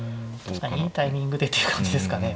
確かにいいタイミングでっていう感じですかね。